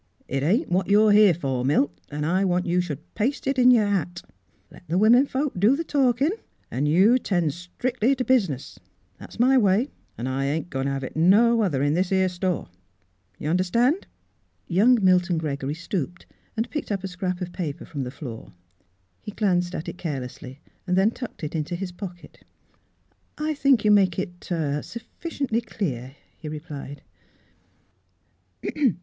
" It ain't what you're here for, Milt, and I want you should paste it in your hat. Let the women folks do th' talkin' an' you ten' stric'ly t' biz. That's my way, an' I ain't Mdss Philura's Wedding Gown goin' t' hev no other in this 'ere store. You understan'? " Young Milton Gregory stooped and picked up a scrap of paper from the floor. He glanced at it carelessly, then tucked it into his pocket. " I think 3^ou make it — er — suffi ciently clear," he replied.